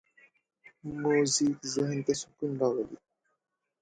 موزیک ذهن ته سکون راولي.